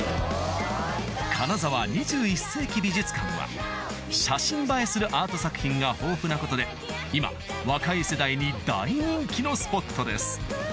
金沢２１世紀美術館は写真映えするアート作品が豊富なことで今若い世代に大人気のスポットです